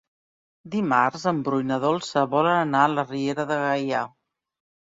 Dimarts en Bru i na Dolça volen anar a la Riera de Gaià.